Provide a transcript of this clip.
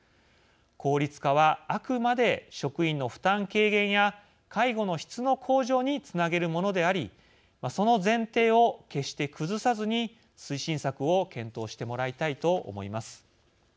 効率化はあくまで職員の負担軽減や介護の質の向上につなげるものでありその前提を決して崩さずに推進策を検討してもらいたいと思います。